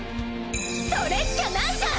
それっきゃないじゃん！